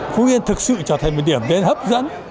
phú yên thực sự trở thành một điểm đến hấp dẫn